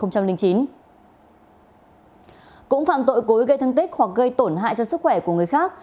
cũng phạm tội cối gây thương tích hoặc gây tổn hại cho sức khỏe của người khác